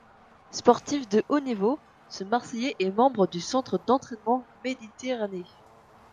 Sportif de haut niveau, ce marseillais est membre du Centre d’Entraînement Méditerranée.